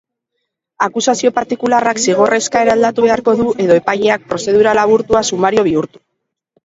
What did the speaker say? Akusazio partikularrak zigor eskaera aldatu beharko du edo epaileak prozedura laburtua sumario bihurtu.